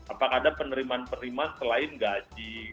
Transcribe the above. apakah ada penerimaan penerimaan selain gaji